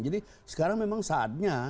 jadi sekarang memang saatnya